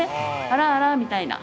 あらあらみたいな。